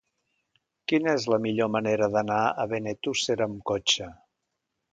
Quina és la millor manera d'anar a Benetússer amb cotxe?